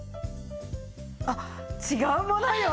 あっ違うものよ。